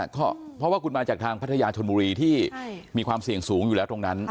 ก็เพราะว่าคุณมาจากทางพัทยาชนบุรีที่มีความเสี่ยงสูงอยู่แล้วตรงนั้น